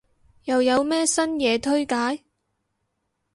又有咩新嘢推介？